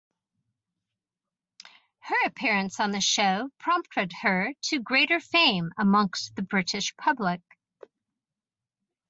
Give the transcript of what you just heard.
Her appearance on the show prompted her to greater fame amongst the British public.